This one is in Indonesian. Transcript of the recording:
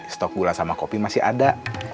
stok gula sama kopi masih ada